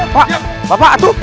pak bapak tuh